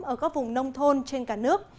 ở các vùng nông thôn trên cả nước